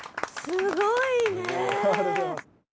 すごいねえ。